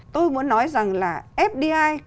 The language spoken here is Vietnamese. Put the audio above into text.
tôi muốn nói rằng là fdi